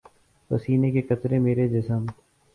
پسینے کے قطرے میرے جسم